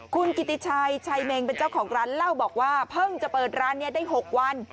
คุณกิติชัยชัยเมงเป็นเจ้าของร้านเล่าบอกว่าเพิ่งจะเปิดร้านนี้ได้๖วัน